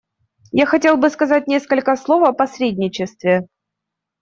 Я хотел бы сказать несколько слов о посредничестве.